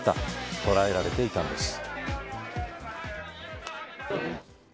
捉えられていたのです。